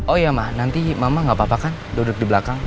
oh iya mah nanti mama gak apa apa kan duduk di belakang